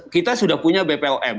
kita sudah punya bpom